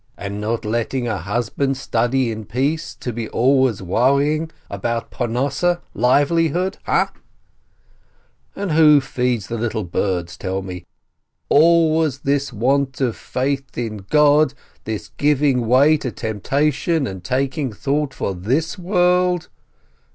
And not letting a husband study in peace, to A WOMAN'S WEATH 59 be always worrying about livelihood, ha? And who feeds the little birds, tell me? Always this want of faith in God, this giving way to temptation, and taking thought for this world